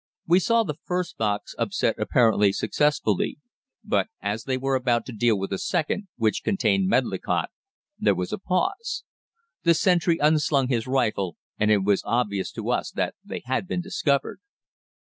We saw the first box upset apparently successfully, but as they were about to deal with the second, which contained Medlicott, there was a pause. The sentry unslung his rifle, and it was obvious to us that they had been discovered.